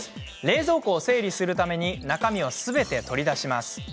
冷蔵庫を整理するために中身をすべて取り出します。